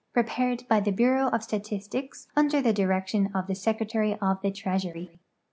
Pre pared by the Bureau of Statistics, under the direction of the Secretary of the Treasury.